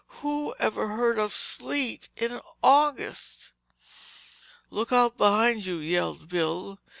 Who ever heard of sleet in August!" "Look out—behind you!" yelled Bill.